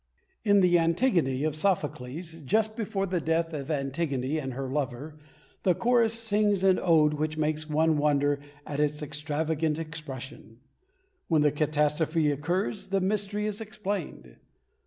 In the Antigone of Sophocles, just before the death of Antigone and her lover, the chorus sings an ode which makes one wonder at its extravagant expression. When the catastrophe occurs, the mystery is explained.